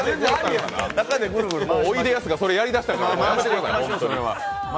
おいでやすがそれをやり出したから、やめてください。